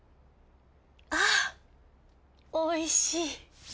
あおいしい。